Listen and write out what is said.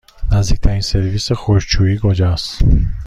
نزدیکترین سرویس خشکشویی کجاست؟